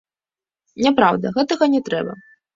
Няпраўда, гэтага не трэба.